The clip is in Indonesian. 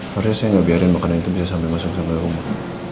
harusnya saya gak biarin makanan itu bisa masuk sampe rumah